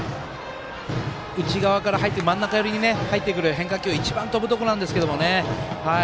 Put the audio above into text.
内側から真ん中寄りに入ってくる変化球一番飛ぶところなんですけどね。